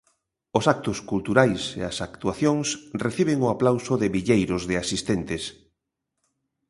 Os actos culturais e as actuacións reciben o aplauso de milleiros de asistentes.